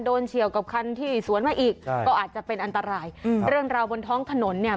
เฉียวกับคันที่สวนมาอีกอ่าก็อาจจะเป็นอันตรายอืมเรื่องราวบนท้องถนนเนี่ย